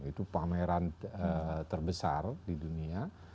itu pameran terbesar di dunia